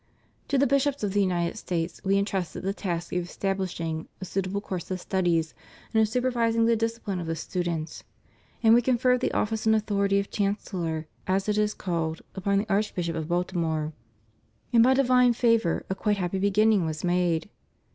To the Bishops of the United States We entrusted the task of establishing a suitable course of studies and of super^dsing the discipUne of the students; and We con ferred the ofl5ce and authority of Chancellor, as it is called, upon the Archbishop of Baltimore. And, by di^^ne favor, a quite happy beginning was made.